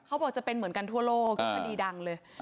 เขาบอกจะเป็นเหมือนกันทั่วโลกทุกคดีดังเลย